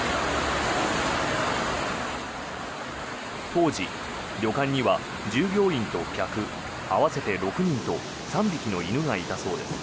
当時、旅館には従業員と客合わせて６人と３匹の犬がいたそうです。